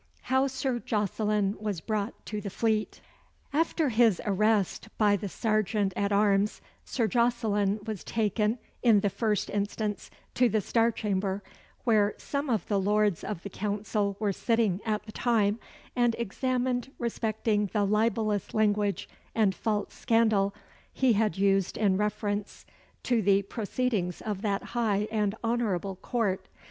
How Sir Jocelyn was brought to the Fleet. After his arrest by the serjeant at arms, Sir Jocelyn was taken, in the first instance, to the Star Chamber, where some of the Lords of the Council were sitting at the time, and examined respecting the "libellous language and false scandal" he had used in reference to the proceedings of that high and honourable court.